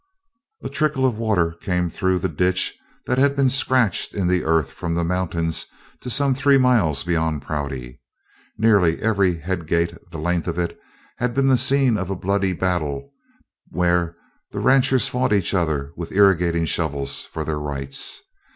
A trickle of water came through the ditch that had been scratched in the earth from the mountains to some three miles beyond Prouty. Nearly every head gate the length of it had been the scene of a bloody battle where the ranchers fought each other with irrigating shovels for their rights.